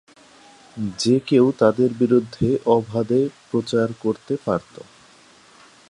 যে-কেউ তাঁদের বিরুদ্ধে অবাধে প্রচার করতে পারত।